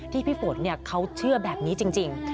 พี่ฝนเขาเชื่อแบบนี้จริง